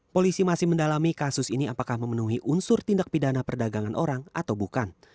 polisi masih mendalami kasus ini apakah memenuhi unsur tindak pidana perdagangan orang atau bukan